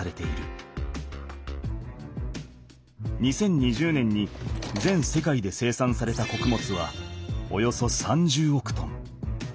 ２０２０年に全世界で生産されたこくもつはおよそ３０億トン。